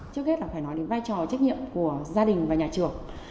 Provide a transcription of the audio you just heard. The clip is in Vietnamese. trước hết là phải nói đến vai trò trách nhiệm của gia đình và nhà trường